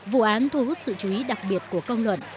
vụ án thu hút sự chú ý đặc biệt của công luận